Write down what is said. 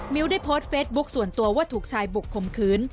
ได้โพสต์เฟซบุ๊คส่วนตัวว่าถูกชายบุกคมขืน